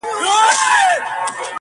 o راسه چي زړه مي په لاسو کي درکړم.